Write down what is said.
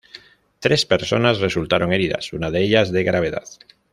Tres personas resultaron heridas, una de ellas, de gravedad.